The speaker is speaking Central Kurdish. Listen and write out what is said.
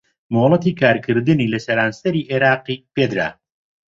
مۆلەتی کارکردن لە سەرانسەری عێراقی پێدرا